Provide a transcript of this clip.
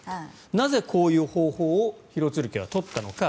なぜ、こういう方法を廣津留家は取ったのか。